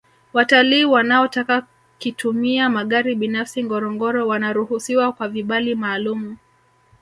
watalii wanaotaka kitumia magari binafsi ngorongoro wanaruhusiwa kwa vibali maalumu